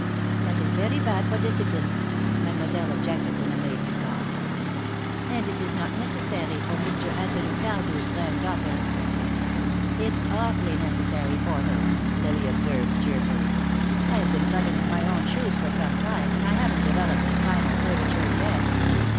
"That is very bad for discipline," Mademoiselle objected when the maid had gone. "And it is not necessary for Mr. Anthony Cardew's granddaughter." "It's awfully necessary for her," Lily observed, cheerfully. "I've been buttoning my own shoes for some time, and I haven't developed a spinal curvature yet."